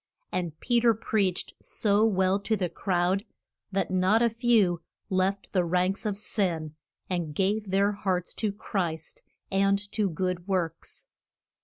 And Pe ter preached so well to the crowd that not a few left the ranks of sin and gave their hearts to Christ, and to good works.